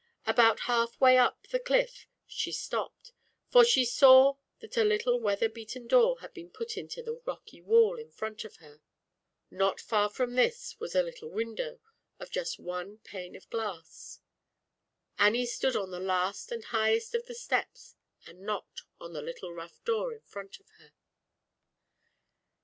About half way up the cliff stopped, for she saw that a little weat] beaten door had been rocky wall in front of her. put 200 ZAUBERLINDA, THE WISE WITCH. this was a little window, of just one ane of glass. Annie stood on the last d highest of the steps and knocked on the little rough door in front of her.